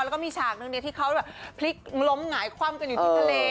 แล้วก็มีฉากนึงที่เขาแบบพลิกล้มหงายคว่ำกันอยู่ที่ทะเล